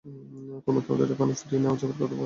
কুমুকে ওদের ওখানে ফিরে নিয়ে যাবার কথা কিছু বললে কি?